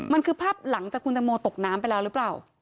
มันคือภาพหลังจากคุณตังโมตกน้ำไปแล้วหรือเปล่า